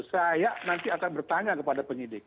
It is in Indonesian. saya nanti akan bertanya kepada penyidik